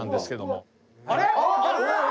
あれ？